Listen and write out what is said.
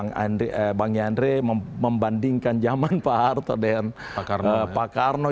kayak bang yandre membandingkan zaman pak harto dan pak karno